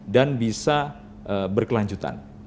dan bisa berkelanjutan